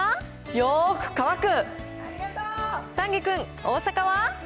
よーく乾く。